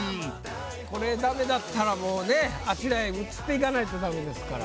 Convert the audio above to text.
これダメだったらもうねあちらへ移っていかないとダメですから。